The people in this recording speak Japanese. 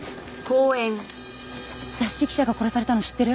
雑誌記者が殺されたの知ってる？